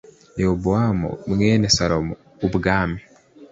Rehobowamu mwene Salomo ubwami